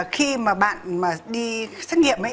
khi bạn đi xét nghiệm